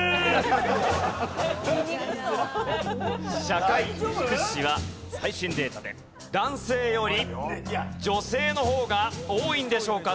社会福祉士は最新データで男性より女性の方が多いんでしょうか？